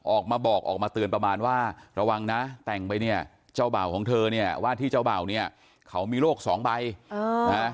ออกมาบอกออกมาเตือนประมาณว่าระวังนะแต่งไปเนี่ยเจ้าเบ่าของเธอเนี่ยว่าที่เจ้าเบ่าเนี่ยเขามีโรคสองใบนะ